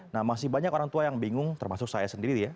nah masih banyak orang tua yang bingung termasuk saya sendiri ya